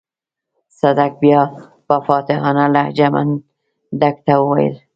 صدک بيا په فاتحانه لهجه منډک ته وويل.